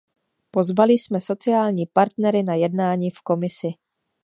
Pozvali jsme sociální partnery na jednání v Komisi.